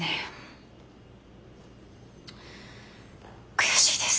悔しいです。